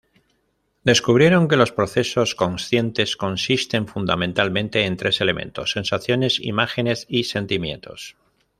Descubrieron que los procesos conscientes consisten fundamentalmente en tres elementos: sensaciones, imágenes y sentimientos.